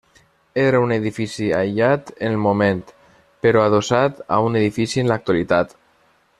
Era un edifici aïllat en el moment, però adossat a un edifici en l'actualitat.